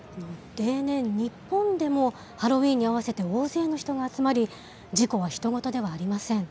例年、日本でもハロウィーンにあわせて大勢の人が集まり、事故はひと事ではありません。